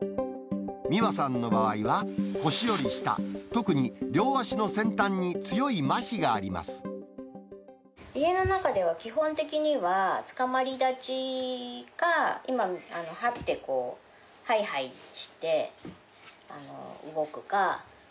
美和さんの場合は、腰より下、特に両足の先端に強いまひがあり家の中では基本的にはつかまり立ちか、今、はってこう、はいはいして動くか。